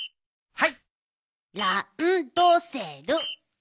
はい！